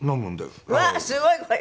うわすごいこれ。